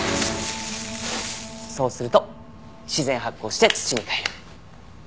そうすると自然発酵して土に返る。